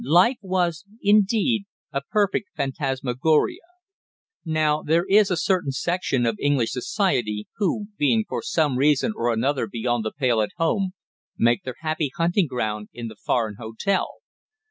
Life was, indeed, a perfect phantasmagoria. Now there is a certain section of English society who, being for some reason or another beyond the pale at home, make their happy hunting ground in the foreign hotel.